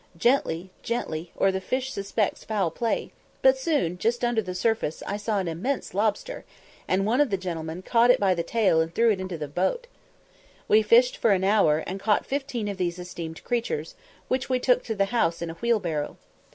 Gently, gently, or the fish suspects foul play; but soon, just under the surface, I saw an immense lobster, and one of the gentlemen caught it by the tail and threw it into the boat. We fished for an hour, and caught fifteen of these esteemed creatures, which we took to the house in a wheelbarrow.